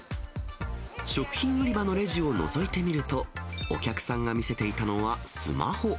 食品売り場のレジをのぞいてみると、お客さんが見せていたのはスマホ。